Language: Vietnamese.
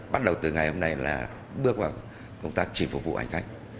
bắt đầu từ ngày hôm nay là bước vào công tác chỉ phục vụ hành khách